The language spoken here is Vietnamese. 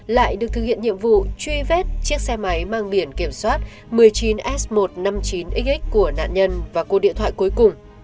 lại được thực hiện nhiệm vụ truy vết chiếc xe máy mang biển kiểm soát một mươi chín s một trăm năm mươi chín x của nạn nhân và cuộc điện thoại cuối cùng